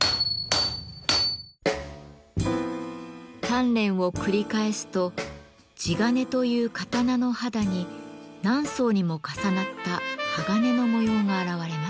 鍛錬を繰り返すと地鉄という刀の肌に何層にも重なった鋼の模様が現れます。